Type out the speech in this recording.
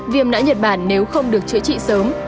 viêm não nhật bản nếu không được chữa trị sớm